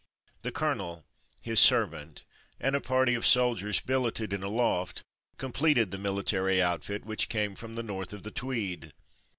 The colonel, his servant, and a party of soldiers billeted in a loft, completed the military outfit which came from the north of the Tweed.